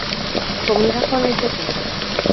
Komunera joan naiteke?